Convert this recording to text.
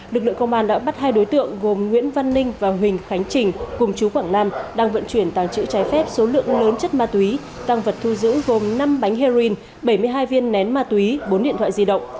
lực lượng công an đã bắt hai đối tượng gồm nguyễn văn ninh và huỳnh khánh trình cùng chú quảng nam đang vận chuyển tàng trữ trái phép số lượng lớn chất ma túy tăng vật thu giữ gồm năm bánh heroin bảy mươi hai viên nén ma túy bốn điện thoại di động